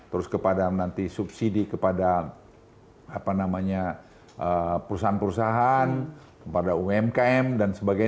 terus kepada nanti subsidi kepada perusahaan perusahaan kepada umkm dan sebagainya